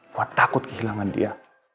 gue takut kehilangan dia